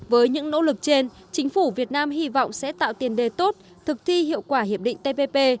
với những nỗ lực trên chính phủ việt nam hy vọng sẽ tạo tiền đề tốt thực thi hiệu quả hiệp định tpp